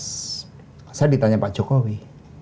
saya ditanya pak jokowi